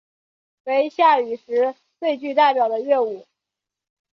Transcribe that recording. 为夏禹时最具代表性的乐舞。